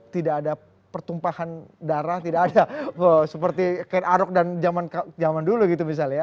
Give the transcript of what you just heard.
tidak ada pertumpahan darah tidak ada seperti kain arog dan zaman dulu gitu misalnya